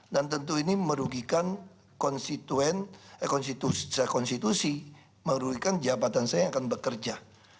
dan tentu ini merugikan konstitusi merugikan jabatan saya yang akan bekerja